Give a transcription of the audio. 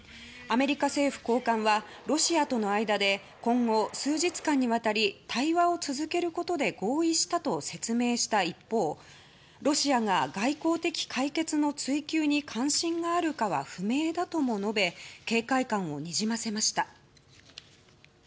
アメリカ政府高官はロシアとの間で今後、数日間にわたり対話を続けることで合意したと説明した一方ロシアが外交的解決の追求に関心があるかは不明だとも述べ警戒感をにじませました。